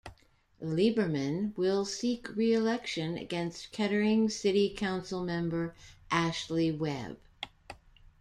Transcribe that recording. Lieberman will seek re-election against Kettering City Council member Ashley Webb.